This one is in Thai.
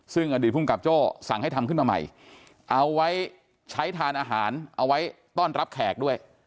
ซึ่งอดีตภูมิกับโจ้สั่งให้ทำขึ้นมาใหม่เอาไว้ใช้ทานอาหารเอาไว้ต้อนรับแขกด้วย